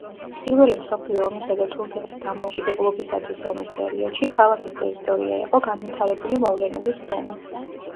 პირველი მსოფლიო ომისა და თურქეთის დამოუკიდებლობისათვის ომის პერიოდში, ქალაქის ტერიტორია იყო განვითარებული მოვლენების სცენა.